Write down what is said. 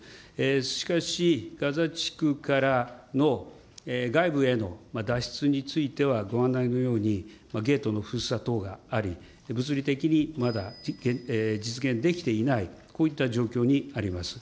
しかし、ガザ地区からの外部への脱出については、ご案内のように、ゲートの封鎖等があり、物理的にまだ実現できていない、こういった状況にあります。